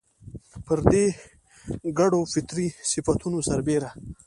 پر دې ګډو فطري صفتونو سربېره